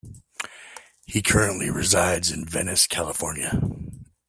He currently resides in Venice, California.